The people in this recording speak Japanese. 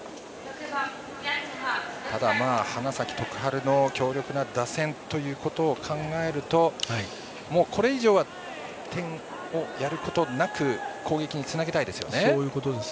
ただ、花咲徳栄の強力な打線ということを考えると、これ以上は点をやることなく攻撃につなげたいですよね。